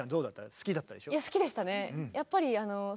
好きでしたね。